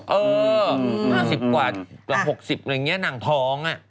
เออ๕๐กว่าหลัก๖๐กว่าอย่างนี้นางท้อง